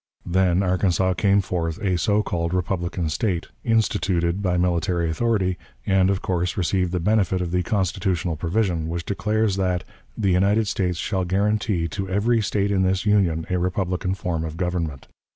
Then Arkansas came forth a so called republican State, "instituted" by military authority, and, of course, received the benefit of the constitutional provision, which declares that "the United States shall guarantee to every State in this Union a republican form of government."